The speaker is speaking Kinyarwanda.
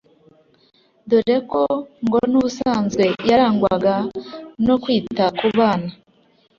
dore ko ngo n’ubusanzwe yarangwaga no kwita ku bana